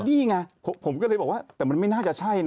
นี่ไงผมก็เลยบอกว่าแต่มันไม่น่าจะใช่นะ